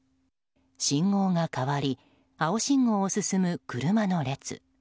信号が変わり青信号を進む車の列。